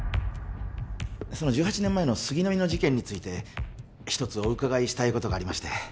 １８年前の杉並の事件について一つお伺いしたいことがあります